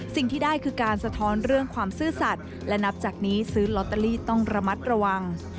สิ่งที่ได้คือการสะท้อนเรื่องความซื่อสัตว์และนับจากนี้ซื้อลอตเตอรี่ต้องระมัดระวัง